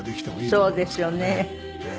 そうですよね。